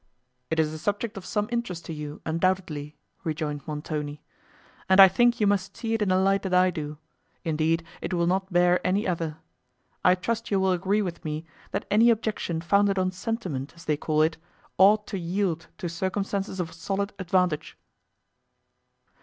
"It is a subject of some interest to you, undoubtedly," rejoined Montoni, "and I think you must see it in the light that I do; indeed it will not bear any other. I trust you will agree with me, that any objection founded on sentiment, as they call it, ought to yield to circumstances of solid advantage."